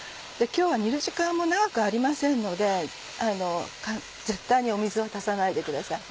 今日は煮る時間も長くありませんので絶対に水を足さないでください。